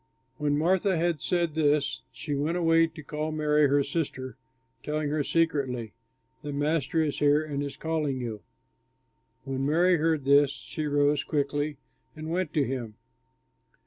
When Martha had said this she went away to call Mary, her sister, telling her secretly, "The Master is here and is calling you." When Mary heard this she rose quickly and went to him.